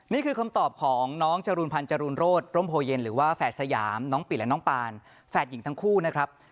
นี่คือคำตอบของน้องจรูนพันธ์จรูนโรศร่มโพเย็นหรือว่าแฝดสยามน้องปิดและน้องปานแฝดหญิงทั้งคู่นะครับ